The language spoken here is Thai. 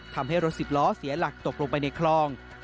ทำให้รถสิบล้อเสียหลักตกลงไปในคลอง